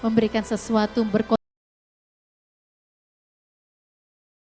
memberikan sesuatu berkonten